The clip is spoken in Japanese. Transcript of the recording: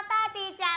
ちゃん